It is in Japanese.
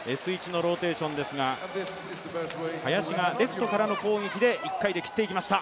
Ｓ１のローテーションですが、林がレフトからの攻撃で１回で切っていきました。